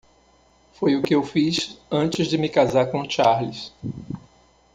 Foi o que eu fiz antes de me casar com o Charles.